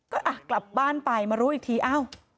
ก็กลับบ้านไปมารู้อีกทีอ้าว